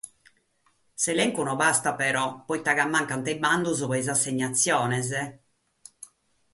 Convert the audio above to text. Ma s’elencu non bastat, pro ite mancant is bandos pro is assignatziones.